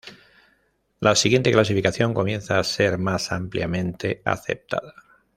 La siguiente clasificación comienza a ser más ampliamente aceptada.